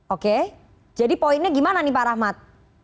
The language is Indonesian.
oke jadi poinnya gimana nih pak rahmat